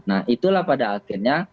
nah itulah pada akhirnya